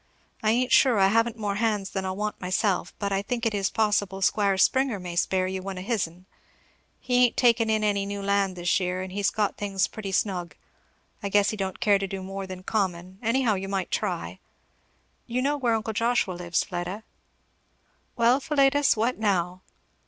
I ain't sure I haven't more hands than I'll want myself, but I think it is possible Squire Springer may spare you one of his'n. He ain't taking in any new land this year, and he's got things pretty snug; I guess he don't care to do any more than common anyhow you might try. You know where uncle Joshua lives, Fleda? Well Philetus what now?"